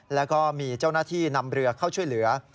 แล้วก็มีเจ้าหน้าที่นำเรือเข้าช่วยเหลือ